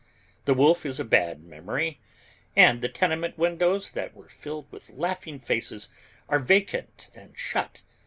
The wolf is a bad memory, and the tenement windows that were filled with laughing faces are vacant and shut.